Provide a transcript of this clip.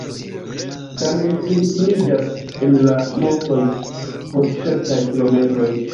Tamen ili finiĝas en la montoj post kelkaj kilometroj.